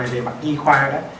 về mặt di khoa đó